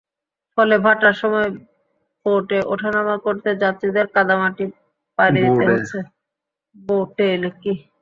ফলে ভাটার সময় বোটে ওঠানামা করতে যাত্রীদের কাদা মাটি পাড়ি দিতে হচ্ছে।